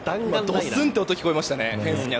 ドスン！という音が聞こえましたね。